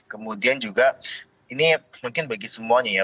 kemudian juga ini mungkin bagi semuanya ya